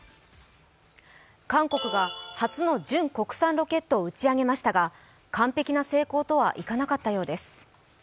韓国が初の純国産ロケットを打ち上げましたが完璧な成功とはいかなかったようです。